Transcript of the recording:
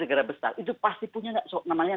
negara besar itu pasti punya namanya